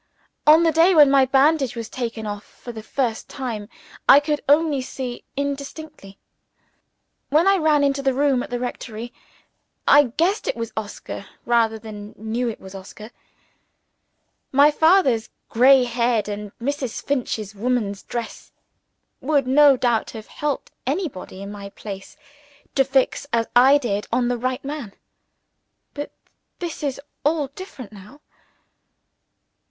On the day when my bandage was taken off for the first time, I could only see indistinctly. When I ran into the room at the rectory, I guessed it was Oscar rather than knew it was Oscar. My father's grey head, and Mrs. Finch's woman's dress, would no doubt have helped anybody in my place to fix as I did on the right man. But this is all different now.